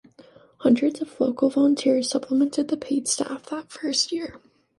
Hundreds of local volunteers supplemented the paid staff that first year.